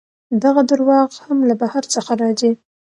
دغه درواغ هم له بهر څخه راځي.